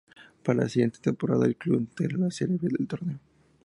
Para la siguiente temporada, el club integra la Serie B del torneo.